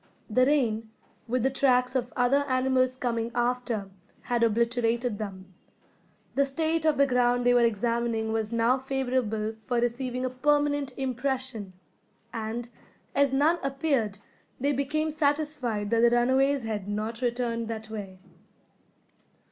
The rain, with the tracks of other animals coming after, had obliterated them. The state of the ground they were examining was now favourable for receiving a permanent impression; and, as none appeared, they became satisfied that the runaways had not returned that way.